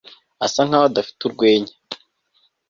asa nkaho adafite urwenya